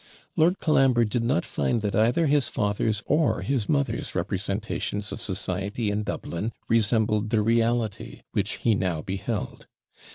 Lord Colambre did not find that either his father's or his mother's representations of society in Dublin resembled the reality, which he now beheld.